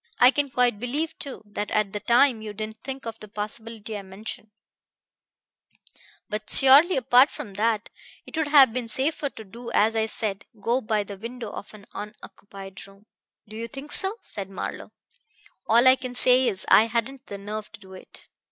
"I can quite believe, too, that at the time you didn't think of the possibility I mentioned. But surely, apart from that, it would have been safer to do as I said: go by the window of an unoccupied room." "Do you think so?" said Marlowe. "All I can say is I hadn't the nerve to do it.